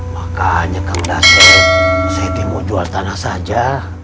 makanya kang daset siti mau jual tanah saja